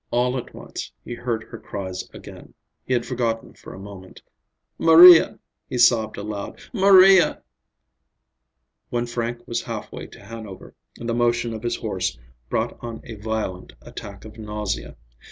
All at once he heard her cries again—he had forgotten for a moment. "Maria," he sobbed aloud, "Maria!" When Frank was halfway to Hanover, the motion of his horse brought on a violent attack of nausea.